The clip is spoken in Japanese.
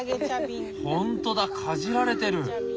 ほんとだかじられてる！